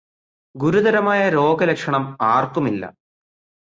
ഗുരുതരമായ രോഗലക്ഷണം ആര്ക്കുമില്ല.